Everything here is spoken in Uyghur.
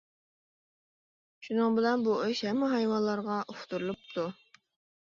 شۇنىڭ بىلەن بۇ ئىش ھەممە ھايۋانلارغا ئۇقتۇرۇلۇپتۇ.